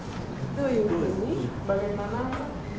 どういうふうに？